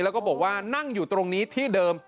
แล้วก็บอกว่านั่งอยู่ตรงนี้ที่เดิม